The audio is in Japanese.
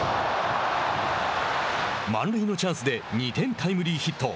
満塁のチャンスで２点タイムリーヒット。